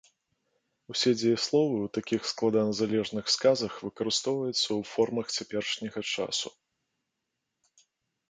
Усе дзеясловы ў такіх складаназалежных сказах выкарыстоўваюцца ў формах цяперашняга часу.